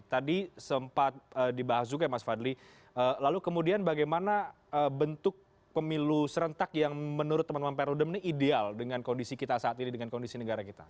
tadi sempat dibahas juga ya mas fadli lalu kemudian bagaimana bentuk pemilu serentak yang menurut teman teman perudem ini ideal dengan kondisi kita saat ini dengan kondisi negara kita